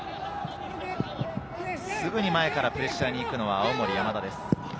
すぐに前からプレッシャーに行くのは青森山田です。